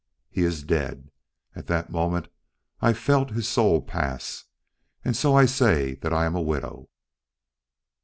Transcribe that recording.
He is dead. At that moment I felt his soul pass; and so I say that I am a widow."